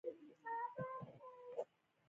کاسا د امپراتور په توګه واک چلاوه.